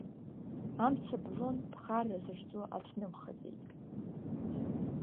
Амца блын, ԥхарра захьӡу аҭнымхаӡеит…